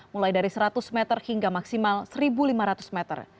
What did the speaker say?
mulai dari seratus meter hingga maksimal satu lima ratus meter